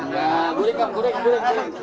ya gurih kap gurih gurih